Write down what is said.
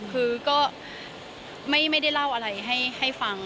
คือก็ไม่ได้เล่าอะไรให้ฟัง